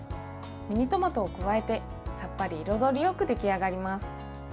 ミニトマトを加えてさっぱり彩りよく出来上がります。